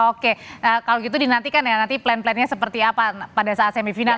oke kalau gitu dinantikan ya nanti plan plannya seperti apa pada saat semifinal